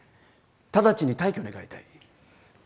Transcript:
直ちに退去願いたい。